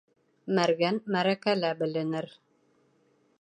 Мәргән мәрәкәлә беленер.